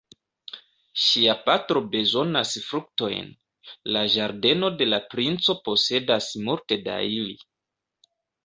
Ŝia patro bezonas fruktojn; la ĝardeno de la princo posedas multe da ili.